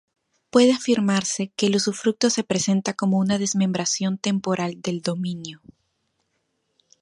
Puede afirmarse que el usufructo se presenta como una desmembración temporal del dominio.